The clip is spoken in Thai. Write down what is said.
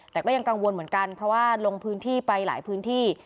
แต่ก็ยังกังวลเหมือนกันเพราะว่าลงพื้นที่ไปหลายพื้นที่